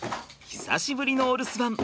久しぶりのお留守番。